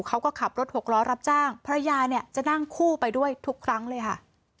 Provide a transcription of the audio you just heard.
เขาก็ขับรถหกล้อรับจ้างภรรยาเนี่ยจะนั่งคู่ไปด้วยทุกครั้งเลยค่ะ